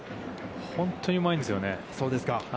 本当にうまいんですよね。